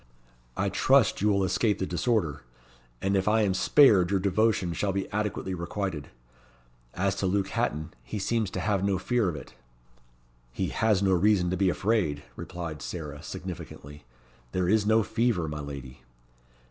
I trust you will escape the disorder, and if I am spared your devotion shall be adequately requited. As to Luke Hatton, he seems to have no fear of it." "He has no reason to be afraid," replied Sarah, significantly. "This is no fever, my lady."